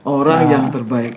orang yang terbaik